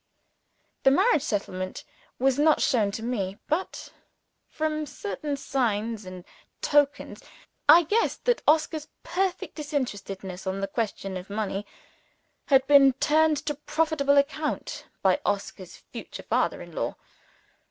The marriage settlement was not shown to me; but, from certain signs and tokens, I guessed that Oscar's perfect disinterestedness on the question of money had been turned to profitable account by Oscar's future father in law.